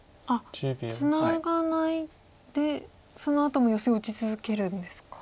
ツナがないでそのあともヨセを打ち続けるんですか。